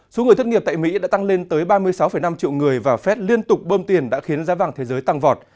số người thất nghiệp tại mỹ đã tăng lên tới ba mươi sáu năm triệu người và phép liên tục bơm tiền đã khiến giá vàng thế giới tăng vọt